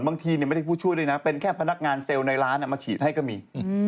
บางทีไม่ได้ผู้ช่วยด้วยนะเป็นแค่พนักงานเซลล์ในร้านมาฉีดให้ก็มี